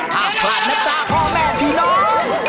ห้ามพลาดนะจ๊ะพ่อแม่พี่น้อง